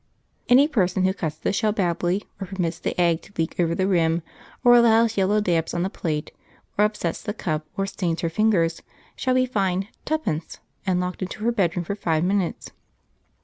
Any person who cuts the shell badly, or permits the egg to leak over the rim, or allows yellow dabs on the plate, or upsets the cup, or stains her fingers, shall be fined 'tuppence' and locked into her bedroom for five minutes."